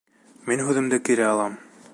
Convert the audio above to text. Мин һүҙемде кире алам.